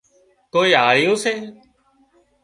ڪوئي هاۯيون سي